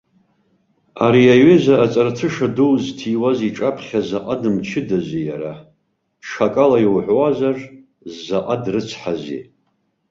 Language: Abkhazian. Ари аҩыза аҵарҭыша ду зҭиуаз иҿаԥхьа заҟа дымчыдази иара, ҽакала иуҳәозар, заҟа дрыцҳази.